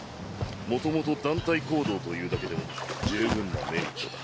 もともと団体行動というだけでも十分なメリットだ。